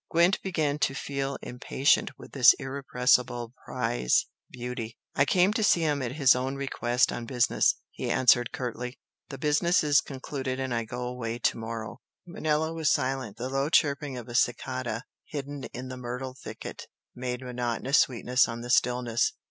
Gwent began to feel impatient with this irrepressible "prize" beauty. "I came to see him at his own request on business;" he answered curtly "The business is concluded and I go away to morrow." Manella was silent. The low chirping of a cicada hidden in the myrtle thicket made monotonous sweetness on the stillness.